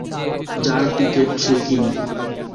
যার টিকেট সে কিনব।